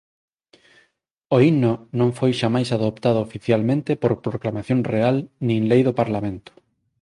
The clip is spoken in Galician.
O himno non foi xamais adoptado oficialmente por Proclamación Real nin Lei do Parlamento.